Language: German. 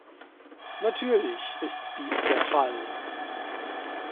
Natürlich ist dies der Fall.